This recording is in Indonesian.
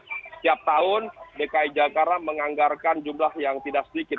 setiap tahun dki jakarta menganggarkan jumlah yang tidak sedikit